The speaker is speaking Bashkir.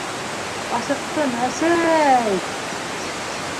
— Асыҡтым, әсәй-й-й...